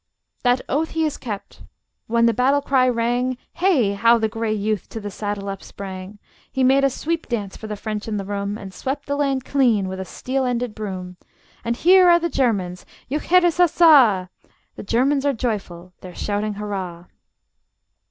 That oath he has kept. When the battle cry rang, Hey! how the gray youth to the saddle upsprang! He made a sweep dance for the French in the room, And swept the land clean with a steel ended broom. And here are the Germans: juchheirassassa! The Germans are joyful: they're shouting hurrah!